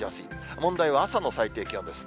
問題は朝の最低気温です。